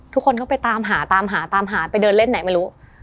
ทุกคนก็ไปตามหาตามหาตามหาไปเดินเล่นไหนไม่รู้